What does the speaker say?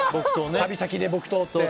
旅先で、木刀って。